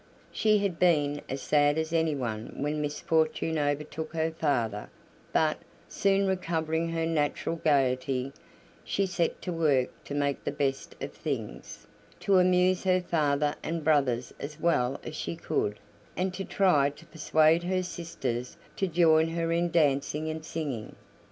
She had been as sad as anyone when misfortune overtook her father, but, soon recovering her natural gaiety, she set to work to make the best of things, to amuse her father and brothers as well as she could, and to try to persuade her sisters to join her in dancing and singing.